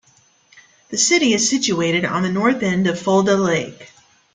The city is situated on the north end of Fulda Lake.